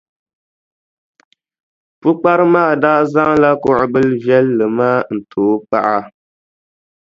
Pukpara maa daa zaŋla kuɣʼ bilʼ viɛlli maa n-ti o paɣa.